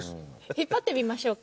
引っ張ってみましょうか。